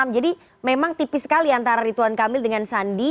jadi memang tipis sekali antara ridwan kamil dengan sandi